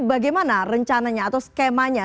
bagaimana rencananya atau skemanya